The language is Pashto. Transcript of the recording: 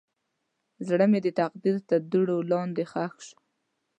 زړه مې د تقدیر تر دوړو لاندې ښخ شو.